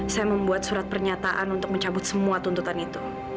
saya membuat surat pernyataan untuk mencabut semua tuntutan itu